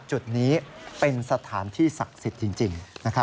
จุดนี้เป็นสถานที่ศักดิ์สิทธิ์จริง